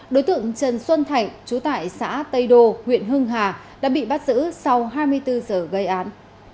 đối tượng trần xuân thạnh trú tại xã tây đô huyện hưng hà đã bị bắt giữ sau hai mươi bốn giờ gây án